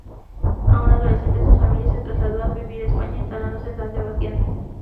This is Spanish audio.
Aún adolescente, su familia se trasladó a vivir a España, instalándose en San Sebastián.